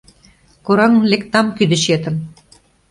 Кораҥын лектам кӱдычетын.